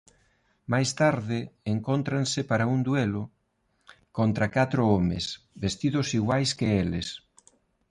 Máis tarde encóntranse para un duelo contra catro homes vestidos iguais que eles.